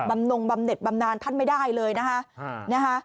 ำนงบำเน็ตบำนานท่านไม่ได้เลยนะคะ